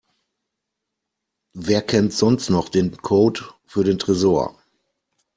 Wer kennt sonst noch den Code für den Tresor?